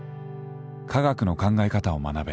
科学の考え方を学べ。